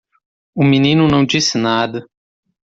O menino não disse nada.